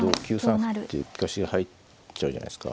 歩っていう利かしが入っちゃうじゃないですか。